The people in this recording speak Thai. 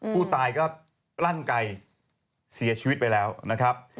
ผู้ตายก็ลั่นไกลเสียชีวิตไปแล้วนะครับ